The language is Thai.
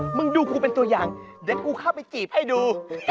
มึงดูกูเป็นตัวอย่างเดี๋ยวกูเข้าไปจีบให้ดู